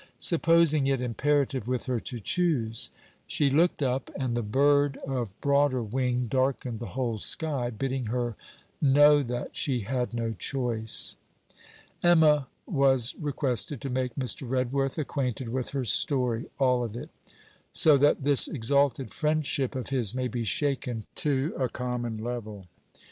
Supposing it imperative with her to choose? She looked up, and the bird of broader wing darkened the whole sky, bidding her know that she had no choice. Emma was requested to make Mr. Redworth acquainted with her story, all of it: 'So that this exalted friendship of his may be shaken to a common level.